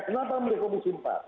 kenapa memilih komisi satu